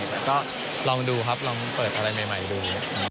แต่ก็ลองดูครับลองเปิดอะไรใหม่ดู